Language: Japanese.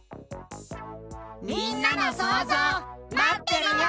みんなのそうぞうまってるよ。